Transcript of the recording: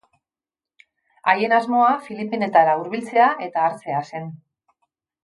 Haien asmoa Filipinetara hurbiltzea eta hartzea zen.